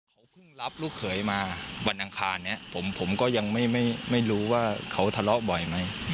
เขาเพิ่งรับลูกเขยมาวันอังคารนี้ผมก็ยังไม่รู้ว่าเขาทะเลาะบ่อยไหม